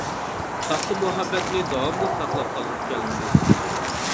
ساختا مۇھەببەتنى داۋاملىق ساقلاپ قالغۇم كەلمىدى.